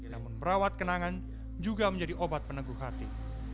namun merawat kenangan juga menjadi obat peneguh hati